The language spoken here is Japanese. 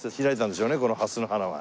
このハスの花は。